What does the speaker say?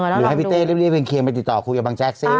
หรือให้พี่เต้เรียบเคียงไปติดต่อคุยกับบางแจ๊กซี่